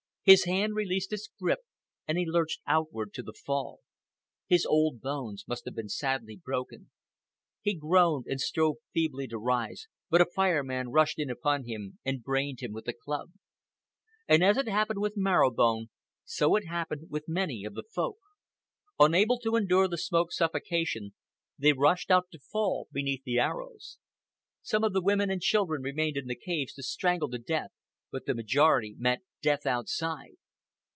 His hand released its grip and he lurched outward to the fall. His old bones must have been sadly broken. He groaned and strove feebly to rise, but a Fire Man rushed in upon him and brained him with a club. And as it happened with Marrow Bone, so it happened with many of the Folk. Unable to endure the smoke suffocation, they rushed out to fall beneath the arrows. Some of the women and children remained in the caves to strangle to death, but the majority met death outside.